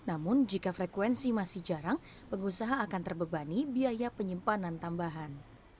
namun jika frekuensi masih jarang pengusaha akan terbebani biaya penyimpanan tambahan